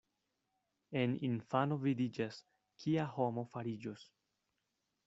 En infano vidiĝas, kia homo fariĝos.